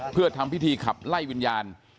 เพื่อทำพิธีขับไล่วิญญาณ